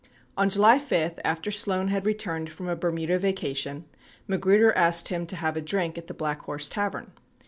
76 On July 5, after Sloan had returned from a Bermuda vacation, Magruder asked him to have a drink at the Black Horse Tavern.